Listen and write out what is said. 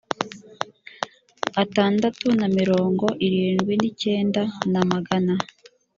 atandatu na mirongo irindwi n icyenda na magana